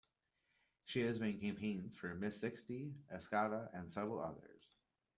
She has been in campaigns for Miss Sixty, Escada and several others.